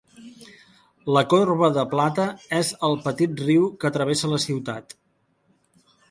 La corba de plata és el petit riu que travessa la ciutat.